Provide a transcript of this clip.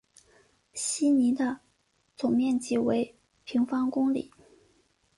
希尼的总面积为平方公里。